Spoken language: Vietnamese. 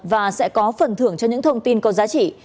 và sẽ có phần thưởng cho những thông tin có giá trị